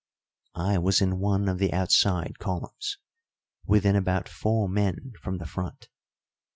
I was in one of the outside columns, within about four men from the front.